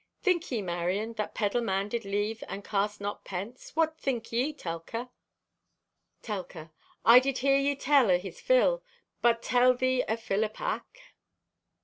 "Think ye, Marion, that peddle man did leave and cast not pence? What think ye, Telka?" (Telka) "I did hear thee tell o' his fill, but tell thee o' fill o' pack."